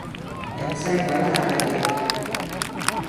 人細鬼大喇你